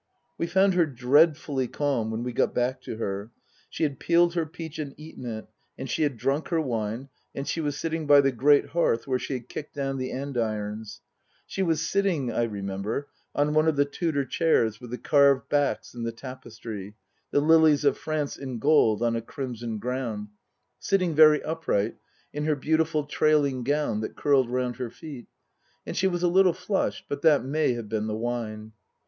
We found her dreadfully calm when we got back to her. She had peeled her peach and eaten it, and she had drunk her wine, and she was sitting by the great hearth where she had kicked down the andirons ; she was sitting, I remember, on one of the Tudor chairs with the carved backs and the tapestry the lilies of France in gold on a crimson ground sitting very upright, in Book II : Her Book 207 her beautiful trailing gown that curled round her feet ; and she was a little flushed (but that may have been the wine).